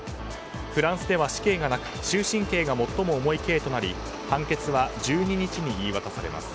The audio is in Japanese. フランスでは死刑がなく終身刑が最も重い刑となり判決は１２日に言い渡されます。